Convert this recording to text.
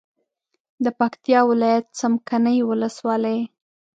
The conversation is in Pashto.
د پکتیا ولایت څمکنیو ولسوالي